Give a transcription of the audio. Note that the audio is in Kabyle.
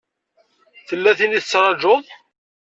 Tella tin i tettṛajuḍ?